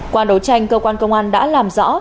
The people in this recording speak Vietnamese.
qua đấu tranh cơ quan công an đã làm rõ